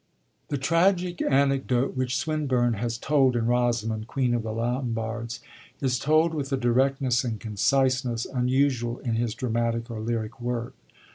The tragic anecdote which Swinburne has told in Rosamund, Queen of the Lombards, is told with a directness and conciseness unusual in his dramatic or lyric work.